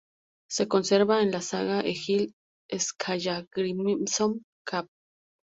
Se conserva en la "Saga de Egil Skallagrímson", cap.